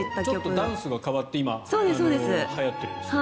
ちょっとダンスが変わって今はやってるんですよね。